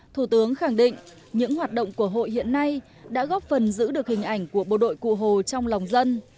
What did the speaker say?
thủ tướng khẳng định những hoạt động của hội hiện nay đã góp phần giữ được hình ảnh của bộ đội cụ hồ trong lòng dân